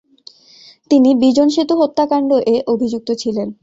তিনি বিজন সেতু হত্যাকাণ্ড-এ অভিযুক্ত ছিলেন।